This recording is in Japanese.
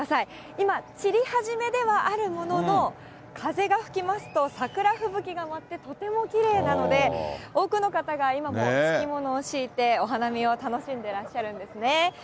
今、散り始めではあるものの、風が吹きますと、桜吹雪が舞って、とてもきれいなので、多くの方が今も敷物を敷いて、お花見を楽しんでいらっしゃるんですね。